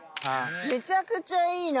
めちゃくちゃいいな。